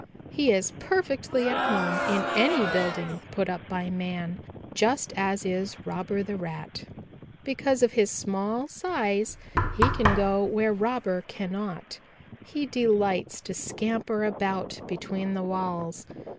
He is perfectly at home in any building put up by man, just as is Robber the Rat. Because of his small size he can go where Robber cannot. He delights to scamper about between the walls.